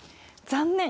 残念！